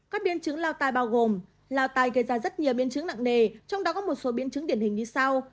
các biên chứng lao tai bao gồm lao tai gây ra rất nhiều biên chứng nặng nề trong đó có một số biên chứng điển hình như sau